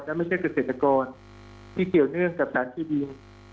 และไม่ใช่เกษตรกรที่เกี่ยวเนื่องกับสารที่ดิน